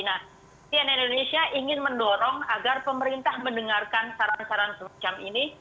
nah cnn indonesia ingin mendorong agar pemerintah mendengarkan saran saran semacam ini